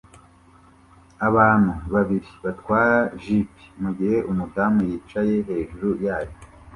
Abantu babiri batwara Jeep mugihe umudamu yicaye hejuru yacyo